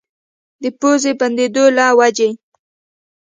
د پوزې بندېدو له وجې